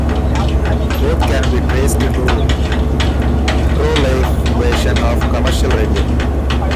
Both can be traced to the proliferation of commercial radio.